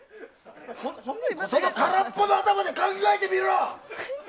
その空っぽの頭で考えてみろ！